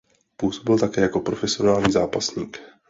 Působil také jako profesionální zápasník.